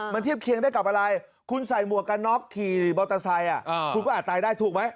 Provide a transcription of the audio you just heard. มันเทียบเคียงได้กับอะไรคุณใส่หมวกกันน็อกขี่มอเตอร์ไซค์คุณก็อาจตายได้ถูกไหม